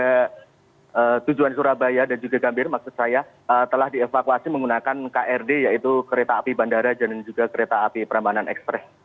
ke tujuan surabaya dan juga gambir maksud saya telah dievakuasi menggunakan krd yaitu kereta api bandara dan juga kereta api perambanan ekspres